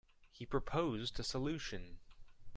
He proposed a solution.